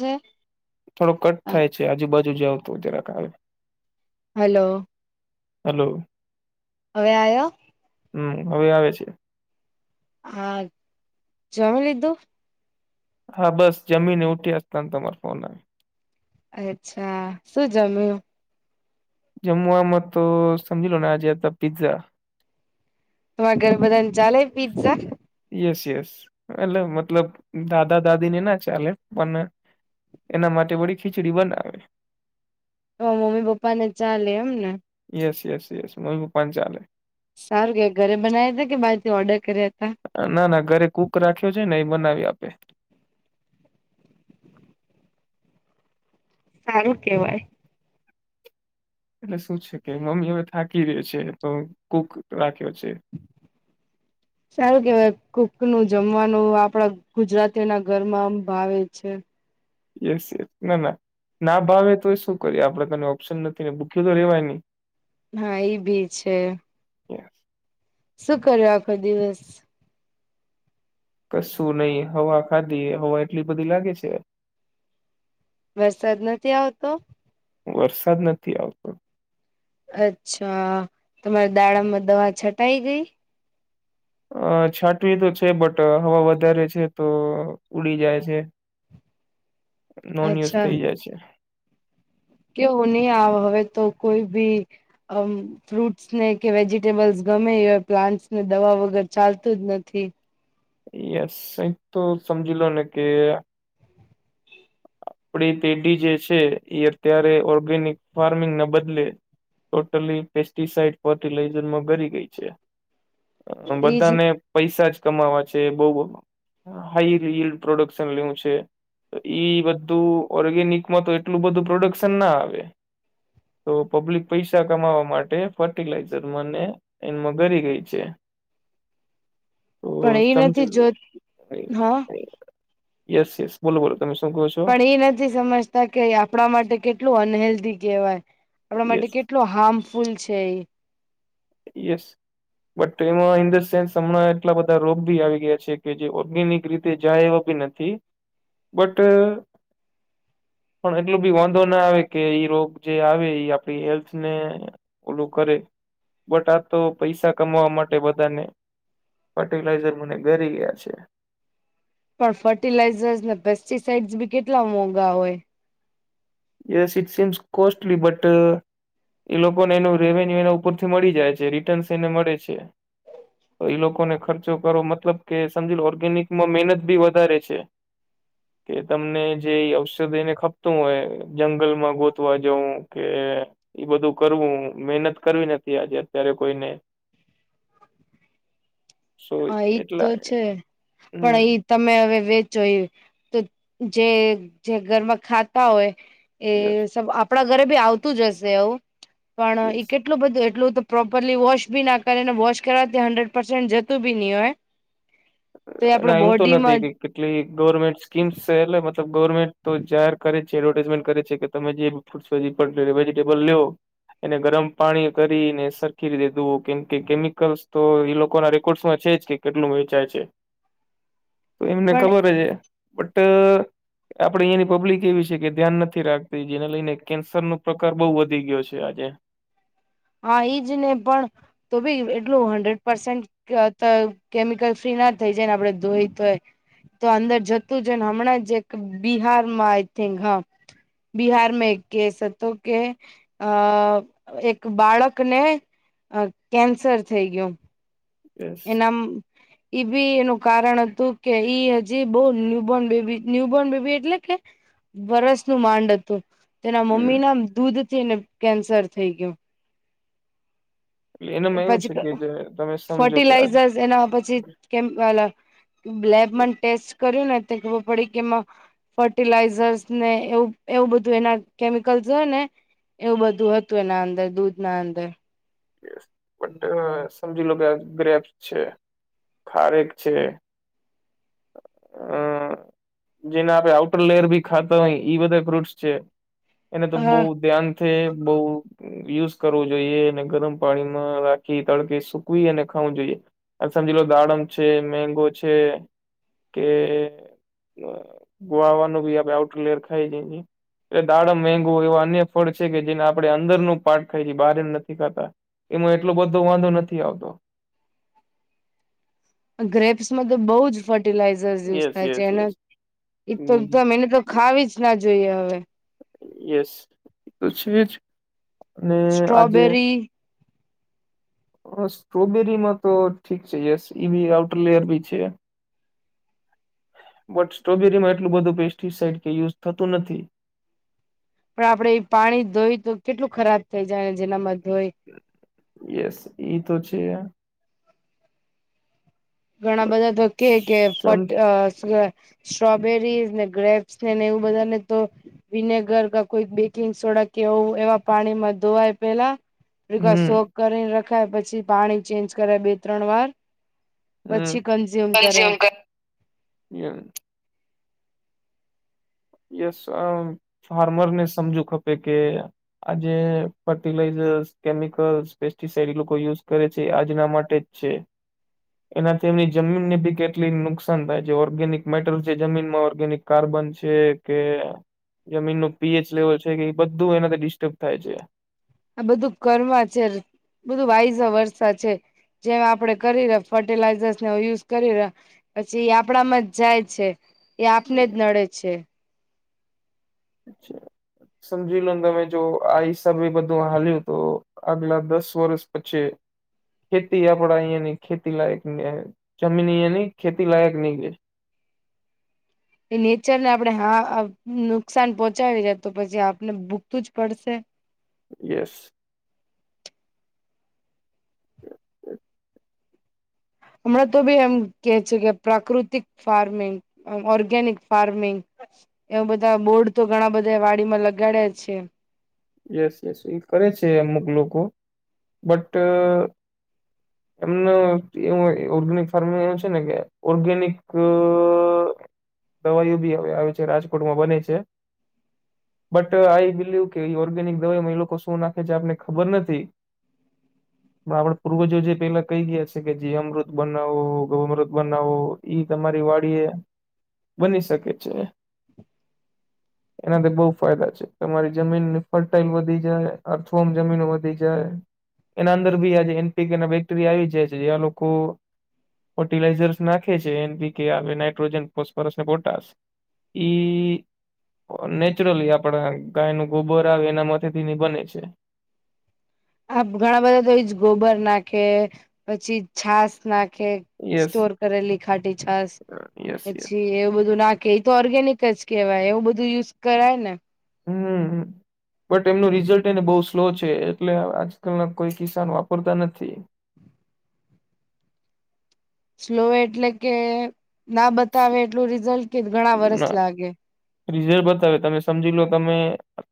હમ થોડો કટ થાય છે આજુબાજુ જ આવ તો જરાક આવે હલો હેલો આવ્યો હમ હવે આવે છે આ જમ લીધું હા બસ જમીને ઉઠીસતાને તમારે ફોન આવે અચ્છા શું જમ્યું જમુઆ મ સમજી લોું ના આજે હતા પીઝ્ઝા તમા ગર્ભધન જાલય પીઝ્ઝા યસ યસ એટલે મતલબ દાદા દાદી ને ના ચાલે પણ એના માટે બડીી ખીચડી બનાવે મમ્મી પપ્પા ને ચાલે એમ ને ેસ ઍસ ઍ મું ગ પંચ ચાલય સારું કે ઘરે બનાવ હતા કે બારથી ઓર્ડર કર્યા હતા ના ના ઘરે કૂક રાખ્યો છે ને એ બનાવી આપે સારું કેવાય એટલે શું છે કે મમ્મી હવે થાકી દે છે તો કુક રાખ્યો છે [inaudible] સારું કેવાય કુક નું જમવાનું આપડા ગુજરાતીઓ ના ઘરમાં આમ ભાવે છે યસ યસ ના ના ના ભાવે તો શું કરી આપણે તને ઓપ્શન નથી ને ભૂકી્યું તો રેવાય ન હા એ ભી છે શું કર્યું આખો દિવસ કશું નહીિ હવા ખાધી હવા એટલી બધી લાગે છે વરસાદ નથી આવતો વરસાદ નથી આવતો અચ્છા તમારા દાડામાં દવા છટાઈ ગઈ અ છાટવી તો છે બટ હવા વધારે છે તો ઉડી જાય છે [inaudible] નોન યુઝ અચ્છા થઇ જાય છે કેવું નહી આવે હવે તો કોઈ બી ફ્રૂટ્સ ને કે વેજીિટેબલ્સ ગમે એ હોય પ્લાન્ટસ ને દવા વગર ચાલતું જ નથી યસ અ તો સમજી લો ને કે આપડી પેઢી જે છે એ અત્યારે ઓર્ગેનિક ફાર્મિંગ ના બદલે ટોટલી પેસ્ટિસાઈડ ફર્ટિલાઈઝરમાં ઘરી ગઈ છે એજ બધાને પૈસા જ કમાવા છે બઉ હાઈ રી પ્રોડક્શન લેવું છે તો ઈ બધું ઓર્ગેનિકમાં તો એટલું બધું પ્રોડક્શન ના આવે તો પબ્લિક પૈસા કમાવા માટે ફર્ટિલાઈઝર મને એમાં ગરી ગઈ છે તો પણ એ સમજી નથી જો લો હા [unintelligible] યસ યસ બોલો બોલો તમે સુ કહો છે પણ એ નથી સમજતા કે આપણા માટે કેટલું અનહેલ્ધી કહેવાય આપણા માટે યસ કેટલું હાર્મફુલ છે ઈ યસ બટ એમાં ઇન ધ સેન્સ હમણાં એટલા બધા રોગ ભી આવી ગયા છે કે જે ઓર્ગેનિક રીતે જાય એવા બી નથી થી બટ પણ એટલું બી વાંધો ના આવે કે ઈ રોગ જે આવે ઈ આપડી હેલ્થ ને ઓલું કરે બટ આ તો પૈસા કમાવા માટે બધાને ફર્ટિલાઈઝર મને ઘરી ગયા છે પણ ફર્ટિલાઈઝર્સ ને પેસ્ટિસાઈડસ બી કેટલા મોંઘા હોય yes it seems costly but એ લોકોને એનું રેવન્યુ એના ઉપરથી મળી જાય છે રિટર્ન્સ એને મળે છે તો એ લોકોને ખર્ચો કરો મતલબ કે સમજી લો ઓર્ગેનિકમાં મહેનત બી વધારે છે [inaudible] એ તમને જે ઔષધિ એને ખપતું હોય જંગલ માં ગોતવા જઉં કે એ બધું કરવું મહેનત કરવી નથી આજે અત્યારે કોઈને સો હા ઈ જ તો એટલા છે પણ હમ ઈ તમે હવે વેચો એ તો જે ઘરમાં ખાતા હોય એ યસ સ આપણા ઘરે બી આવતું જ હશે આવું પણ યસ ઈ કેટ એટલું બધું એટલું તો પ્રોપરલી વોશ બી ના કરે ને વોશ કરવાથી હંડ્રેડ પસેન્ટ જતું બી નય હોય તો એ આપડ ના એવું તો નથી બોડીમાં કે કેટલી ગવર્મેન્ટ સ્કીમ્સ છે એટલે ગવર્મેન્ટ તો જાહેર કરે છે એડવર્ટાઈઝમેન્ટ કરે છે કે તમે જે ફ્રૂટ્સ વેજીિટેબલ લયો એને ગરમ પાણી કરીને સરખી રીતે ધુવો કેમ કે કેમિકલ્સ તો ઈ લોકો ના રેકોર્ડમાં છે જ કે કેટલું વેંચાય છે તો એમને પણ ખબર છે બટ આપણેે અહીંયાની પબ્લિક એવી છે કે ધ્યાન નથી રાખતી જેને લઈને કેન્સર ન પ્રકાર બહુ વધી ગયો છે આજે હા ઈજ ને પણ તો ભી એટલું હંડ્રેડ પસેન્ટ [unintelligible] તો કેમિકલ ફ્રી ના થઈ જાય ને આપડે ધોઈ તોય તો અંદર જતું જ ને હમણાં જે બિહારમાં આઈ થિક હા બિહાર મે એક કેસ હતો કે અ એક બાળકને કેન્સર થઈ ગયું યસ એનામ એ બી એનું કારણ હતું કે ઈ હજી બવ ન્યુબોર્ન બેબી ન્યુબોર્ન બેબી એટલે કે વરસનું માંડ હતું તેના હમ મમ્મી ના દૂધ થીને કેન્સર થઈ ગયું એનામાં એવું પછી છે કે જે તમે સમજો કે આ ફર્ટિલાઈઝર્સ એના પછી કેમ લેબમાં ટેસ્ટ કર્યું ને ખબર પડી કેમાં ફર્ટિલાઈઝર્સ ને એવું એવું બધું એના કેમિકલ્સ હોય ને એવું બધું હતું એના અંદર દૂધ ના અંદર બટ સમજી લો કે ગ્રેપસ છે ખારેક છે અ જેને આપે આઉટર લેયર ભી ખાતા હોય ઈ બધા ફ્રૂટસ છે એને તો બહુ હા ધ્યાન છે બહ યુઝ કરવું જોઈએ અને ગરમ પાણીમાં રાખી તડકે સુકવી અને ખાવું જોઈએ સમજી લો દાડમ છે મેગો છે કે ગોવાવાનું બી આપ આઉટલેયર ખાઈ જ એ દાડમ મેગુ એવા અન્ય ફળ છે કે જેને આપણે અંદરનું પાટ ખાયી બહારે નથી ખાતા એમાં એટલો બધો વાંધો નથી આવતો ગ્રેપ્સમાં તો બહુ જ ફર્ટિલાઈઝર્સ યુઝ યસ થાય છે યસ એને યસ એ તો એને તો ખાવી જ ના જોઈએ હવે યસ તો છે જ ને આજે સ્ટ્રોબેરી હ સ્ટ્રોબેરીમાં તો ઠીક છે યસ ઈ બી આઉટરલેયર બી છે બટ સ્ટ્રોબેરીમાં એટલું બધું પેસ્ટીસાઈડ કે યુઝ થતું નથી પણ આપડે એ પાણી ધોઈ તો કેટલું ખરાબ થઇ જાય જેનામાં ધોઈ યસ એ તો છે ઘણા બધા તો કે કે સમ ફટ સ્ટ્રોબેરીઝ ને ગ્રેપ્સ નેને એવું બધા ને તો વિનેગર ક કોઈ બેકિંગ સોડા કેવું એવા પાણીમાં ધોવાય પેલા હમ શોક કરીને રખાય પછી પાણી ચેન્જ કરાય બે ત્રણ વાર હમ પછી કન્ઝ્યુમ કરાય કઝ્યુમ કર યસ ફાર્મરને સમજું ખપે કે આજે ફર્ટિલાઈઝર્સ કેમિકલ્સ પેસ્ટિસાઈડ લોકો યુઝ કરે છે આજના માટે જ છે એનાથી એમની જમીનને બી કેટલી નુકસાન થાય છે ઓર્ગેનિક મેટર છે જમીનમાં ઓર્ગેનિક કાર્બન છે કે જમીન નું પીએચ લેવલ છે કે એ બધું એનાથી ડિસ્ટર્બ થાય છે આ બધું કર્મ છે બધું વાઈઝ વરષ છે જેમ આપડે કરી રહ્યા ફર્ટિલાઈઝર્સ યુઝ કરી રહ્યા પછી એ આપણામાં જ જાય છે એ આપને જ નડે છે સમજી લોને તમે જો આ હિસાબે એ બધું હાલ્યું તો આગલા દસ વર્ષ પછી ખેતી આપડા અહિયાયા નની ખેતી લાયક ન જમીન અહંયા નહ ખેતી લાયક નહી ગે એ નેચરને આપણે હા નુકસાન પોહોંચાવી જાય તો પછી આપને ભૂકતું જ પડશે યસ હમણાં તો બી એમ કે છે કે પ્રાકૃતિક ફાર્મિંગ ઓર્ગેનિક ફાર્મિંગ એવ બધા બોર્ડ તો ઘણા બધા વાડીમાં લગાડ્યા છે યસ યસ એ કરે છે અમુક લોકો બટ એમ એ ઓર્ગેનિક ફાર્મિંગ એ છે ને કે ઓર્ગેનિક દવાઈ બી આવે છે રાજકોટમાં બને છે બટ આઈ બિલીવ કે ઓર્ગેનિક દવામાં એ લોકો શું નાખે છે આપને ખબર નથી [unintelligible] પણ આપડે પૂર્વજો જે પેલા કઈ ગયા છે કે જે અમૃત બનાવો ગૌમૃત બનાવો ઈ તમારી વાડી એ બની શકે છે [unintelligible] એનાથી બહુ ફાયદા છે તમારી જમીનની ફર્ટાાઈલ વધી જાય અર્થફોર્મ જમીનો વધી જાય એના અંદર બી આજે એનપી અને બેક્ટેરિયા આવી જાય છે એ લોકો ફર્ટિલાઈઝર્સ નાખે છે એન પ કે આવે નાઇટ્રોજન ફોસ્ફરસ અને પોટશ એ નેચરલી આપણા ગાય ન ગોબર આવે એના મથે થીની બને છે આપ ઘણા બધા તો એ જ ગોબર નાખે પછી છાસ નાખે યસ સ્ટોર કરેલી ખાટી છાસ યસ યસ પછી એવું બધું નાખ કે એ તો ઓર્ગેનિક જ કેહેવાય એવું બધું યુઝ કરાય હમ બટ એમનું રિઝલ્ટ એને બહુ સ્લો છે એટલે આજકાલના કોઈ કિસાન વાપરતા નથી સ્લો એટલે કે ના બતાવે એટલું રિઝલ્ટ કે ઘણા વરસ લાગે રિઝલ બતાવે તમે સમજી લો તમે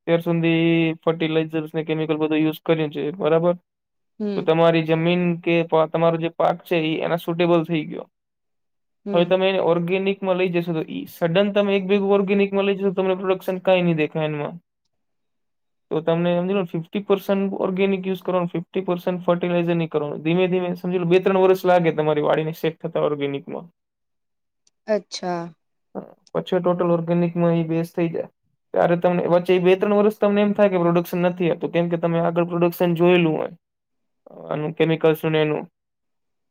ત્યાર સુધી ફર્ટિલાઈઝર્સ ને કેમિકલ બધ યુઝ કર્યું છે બરાબર તો હમ તમારી જમીન કે તમારો જે પાક છે એ એના સુટેબલ થઈ ગયો હવે હમ તમે એને ઓર્ગેનિકમાં લઈ જશો તો સડન તમે એકગ ઓર્ગનિકમાં લઈશો તને પ્રોડક્શન કઈ નહીં દેખાય એમાં હ તો તમને હમજીલો ને ફિફટી પર્સન્ટ ઓર્ગેનિકયુઝ કરવાો ફિફ્ટી પર્સન્ટ ફર્ટિલાઇઝર કરવા ધીમે ધીમે સમજી બે ત્રણ વર્ષ લાગે તમારી વાડીને સેફ થતા ઓર્ગેનિકમાં અચ્છા પછી ટોટલ ઓર્ગેનિક માં એ બેઝ થઈ જાય ત્યારે તમને વચ્ચે એ બે ત્રણ વર્ષ તમને એમ થાય કે પ્રોડક્શન નથી થતું કેમ કે તમે આગળ પ્રોડક્શન જોયેલું હોય [unintelligible] આનું કેમિકલ્સ નું ને એનું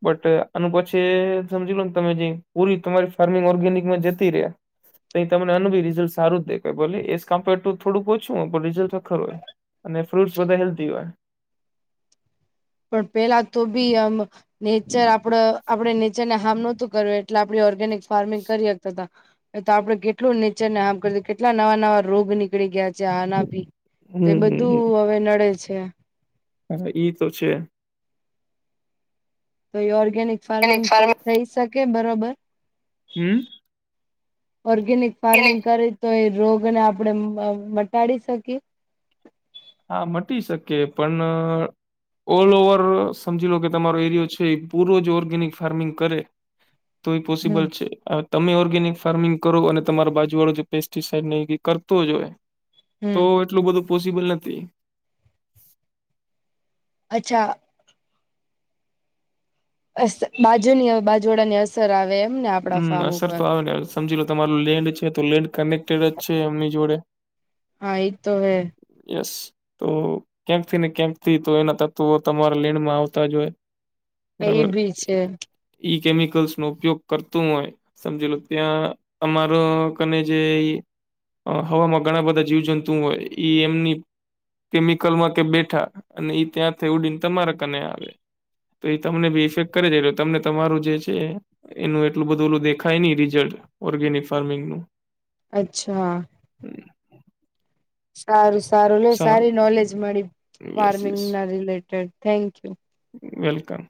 બટ આનું પછી સમજી લો ને તમે જે પૂરી તમારી ફાર્મિંગ ઓર્ગેનિકમાં જતી તો તમને આનુ ભી રિઝલ્ટ સારું જ દેખાય બોલે એ કમ્પર ટુ થોડું ઓછું હો પણ રિઝલ્ટ તો ખરું જ અને ફ્રૂટસ બધા હેલ્ધી હોય પણ પેલા તો બી આમ નેચર આપડ આપડે નેચર ને હાર્મ નહોતું કર્યું એટલે આપ ઓર્ગેનિક ફાર્મિંગ કરી હગતા તા તો આપડણે કેટલું નેચરને હપ કરું કેટલા નવા નવા રોગ ની નીકળી ગયા છે આના હમ ભી તો એ હમ હમ બધું હવે નડે છે હા ઈ તો છે તો એ ઓર્ગેનિક ફાર્મિંગ થી થઈ શકે બરોબર હમ ઓર્ગેનિક ફાર્મિંગ કરે તો એ રોગને આપણે મટાડી શકીએ હા મટી શકે પણ ઓલ ઓવર સમજી લો કે તમારો એરિયો છે, એ પૂરો જ ઓર્ગેનિક ફાર્મિંગ કરે તો એ પોસિબલ હમ છે, અ તમે ઓર્ગેનિક ફાર્મિંગ કરો અને તમારા બાજુ વાળો પેસ્ટિસાઈડ ની કરતો જ હોવે તો હમ. એટલું બધું પોસિબલ નથી અચ્છા. અસ્ત બાજુની બાજુવાડાની અસર આવે એમ ને આપણા હમ ફાર્મ અસર ઉપર તો આવે ને સમજી લો તમારા લેન્ડ છે, તો લેન્ડ કનેક્ટેડ જ છે, એમની જોડે હા એ તો હૈ યસ. તો કેમથી ને કેમ થી તો એના તત્વો તમારા લેણમાં આવતા જ હોય એ બરાબર બી છે ઈ કેમિકલ્સનો ઉપયોગ કરતું હોય સમજી લો ત્યાં અમારો કને જે અ હવામાં ઘણા બધા જીવજંતુ હોય ઈ એમની કેમિકલમાં કે બેઠા અને ઈ ત્યાં થઈ ઉડીને તમારા કાને આવે તો એ તમને બી ઇફેક્ટ કરે છે, એટલે તમને તમારું જે છે. એનું એટલું બધું ઓલું દેખાય નઈ રિઝલ્ટ ઓર્ગેનિક ફાર્મિંગનું અચ્છા. સારું સારું લે સારી નોલેજ મળી યસ યસ ફાર્મિંગના રિલેટેડ થેન્ક યુ વેલકમ.